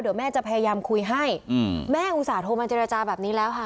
เดี๋ยวแม่จะพยายามคุยให้แม่อุตส่าห์โทรมาเจรจาแบบนี้แล้วค่ะ